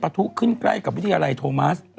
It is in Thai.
ทุขึ้นใกล้กับวิทยาลัยโทมัส